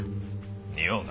におうな。